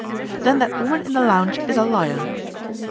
" Then that woman in the lounge is a liar."